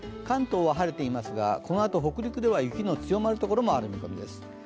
関東は晴れていますがこのあと北陸では雪の強まるところもある見込みです。